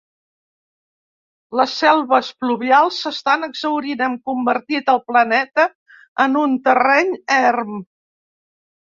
Les selves pluvials s'estan exhaurint, hem convertit el planeta en un terreny erm.